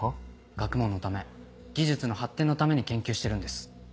学問のため技術の発展のために研究してるんです。